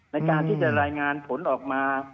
ในการที่จะรายงานผลออกมา